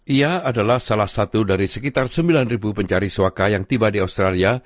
ia adalah salah satu dari sekitar sembilan pencari suaka yang tiba di australia